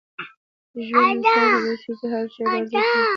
ژوند انسان ته دا ښيي چي هره شېبه ارزښت لري.